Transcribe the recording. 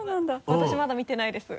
私まだ見てないです。